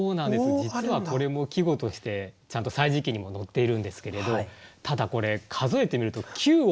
実はこれも季語としてちゃんと「歳時記」にも載っているんですけれどただこれ数えてみると９音もあるんですよね。